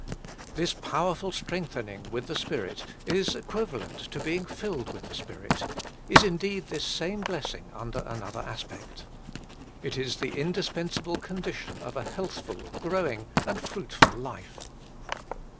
This powerful strengthening with the Spirit is equivalent to being filled with the Spirit, is indeed this same blessing under another aspect. It is the indispensable condition of a healthful, growing, and fruitful life.